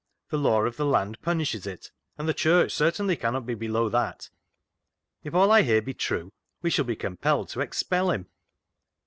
The law of the land punishes it, and the Church certainly can not be below that. If all I hear be true, we shall be compelled to expel him."